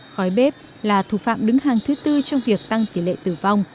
khói bếp là thủ phạm đứng hàng thứ tư trong việc tăng tỷ lệ tử vong